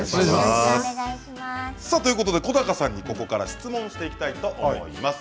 小高さんにここから質問をしていきたいと思います。